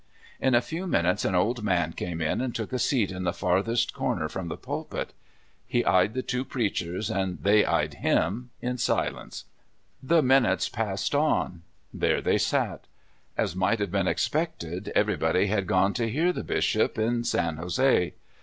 In a few minutes an old man came in and took a seat in the farthest corner from the pulj jit. He eyed the two preach ers, and they eyed him in silence. The minutes passed on. There they sat. As might have been expected, everybody had gone to hear the bishop, in San Jose.